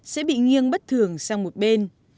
sẽ bị nghiêng bất thường sang một bên